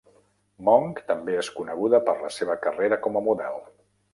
Monk també és coneguda per la seva carrera com a model.